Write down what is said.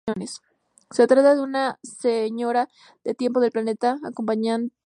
Se trata de una Señora del Tiempo del planeta Gallifrey acompañante del Cuarto Doctor.